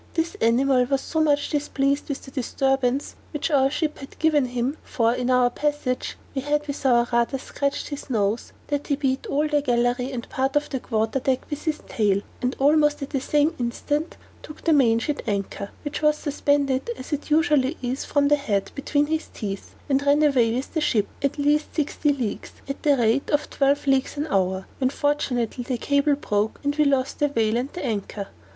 This animal was so much displeased with the disturbance which our ship had given him for in our passage we had with our rudder scratched his nose that he beat in all the gallery and part of the quarter deck with his tail, and almost at the same instant took the mainsheet anchor, which was suspended, as it usually is, from the head, between his teeth, and ran away with the ship, at least sixty leagues, at the rate of twelve leagues an hour, when fortunately the cable broke, and we lost both the whale and the anchor.